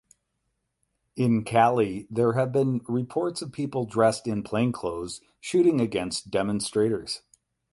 In Cali there have been reports of people dressed in plainclothes shooting against demonstrators.